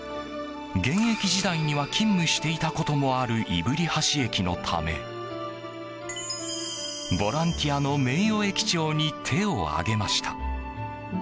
現役時代には勤務していたこともある動橋駅のためボランティアの名誉駅長に手を挙げました。